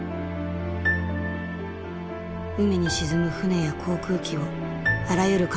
海に沈む船や航空機をあらゆる角度から撮影。